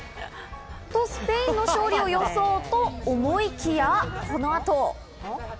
と、スペインの勝利を予想と思いきや、この後。